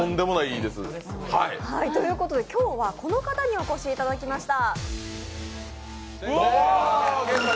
今日はこの方にお越しいただきました。